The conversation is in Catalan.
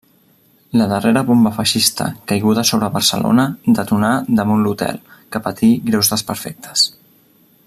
La darrera bomba feixista caiguda sobre Barcelona detonà damunt l'hotel, que patí greus desperfectes.